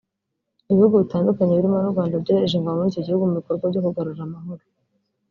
Ibihugu bitandukanye birimo n’u Rwanda byohereje ingabo muri icyo gihugu mu bikorwa byo kugarura amahoro